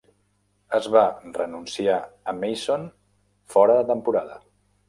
Es va renunciar a Mason fora de temporada.